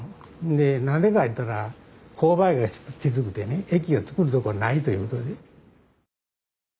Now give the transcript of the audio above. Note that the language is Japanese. で何でか言ったら勾配がきつくてね駅を作るとこがないということで。